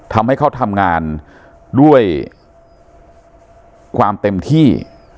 ทำให้เขาทำงานด้วยความเต็มที่